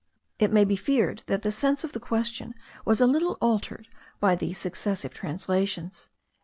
It may be feared that the sense of the question was a little altered by these successive translations.)